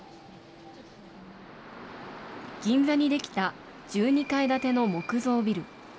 銀座に出来た１２階建ての木造ビル。